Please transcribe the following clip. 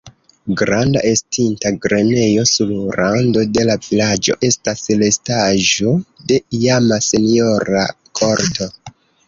Granda estinta grenejo sur rando de la vilaĝo estas restaĵo de iama senjora korto.